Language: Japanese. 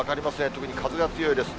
特に風が強いです。